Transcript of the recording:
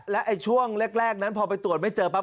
และช่วงแรกนั้นพอไปตรวจไม่เจอปั๊